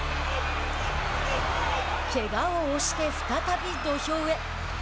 けがを押して再び土俵へ。